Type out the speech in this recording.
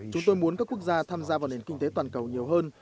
chúng tôi muốn các quốc gia tham gia vào nền kinh tế toàn cầu nhiều hơn